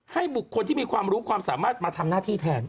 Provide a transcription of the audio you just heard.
ให้บุคคลที่มีความรู้ความสามารถมาทำหน้าที่แทน